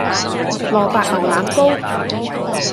蘿蔔牛腩煲